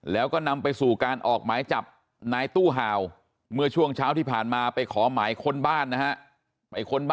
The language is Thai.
แล้วก็นำไปสู่การออกหมายจับนายตู้ห่าวเมื่อช่วงเช้าที่ผ่านมาไปขอหมายค้นบ้านนะฮะ